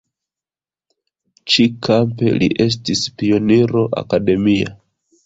Ĉi-kampe li estis pioniro akademia.